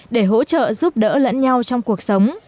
để hỗ trợ giúp đỡ lẫn nhau trong cuộc sống